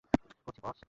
করছি, বস।